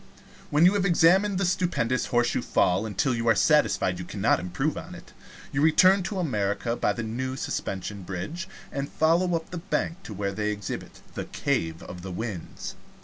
When you have examined the stupendous Horseshoe Fall till you are satisfied you cannot improve on it, you return to America by the new Suspension Bridge, and follow up the bank to where they exhibit the Cave of the Winds.